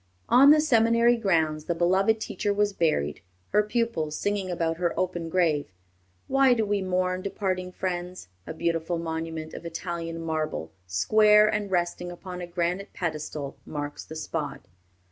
On the seminary grounds the beloved teacher was buried, her pupils singing about her open grave, "Why do we mourn departing friends?" A beautiful monument of Italian marble, square, and resting upon a granite pedestal, marks the spot.